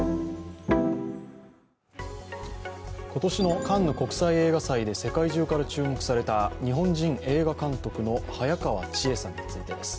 今年のカンヌ国際映画祭で世界中から注目された日本人映画監督の早川千絵さんについてです。